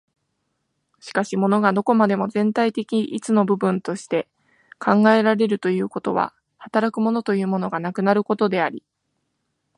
しかし物がどこまでも全体的一の部分として考えられるということは、働く物というものがなくなることであり、